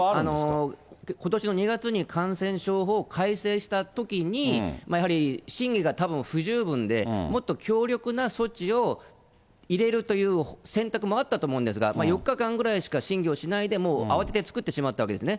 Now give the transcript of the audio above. ことしの２月に感染症法を改正したときに、やっぱり、審議がたぶん不十分で、もっと強力な措置を入れるという選択もあったと思うんですが、４日間ぐらいしか審議をしないで、慌てて作ってしまったわけですね。